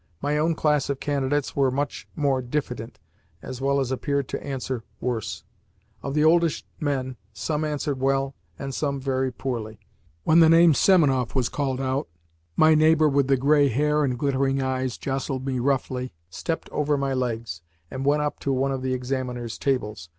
My own class of candidates were much more diffident, as well as appeared to answer worse. Of the oldish men, some answered well, and some very poorly. When the name "Semenoff" was called out my neighbour with the grey hair and glittering eyes jostled me roughly, stepped over my legs, and went up to one of the examiners' tables.